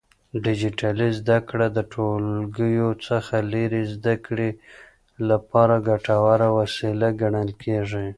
ډيجيټلي زده کړه د ټولګیو څخه لرې زده کړې لپاره ګټوره وسيله ګڼل کېږي.